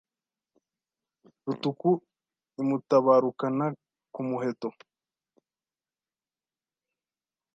Rutuku imutabarukana ku muheto